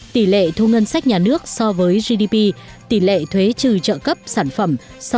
tỷ lệ thu ngân sách nhà nước so với gdp tỷ lệ thuế trừ trợ cấp sản phẩm